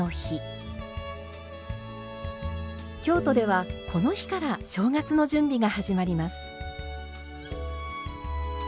京都ではこの日から正月の準備が始まります。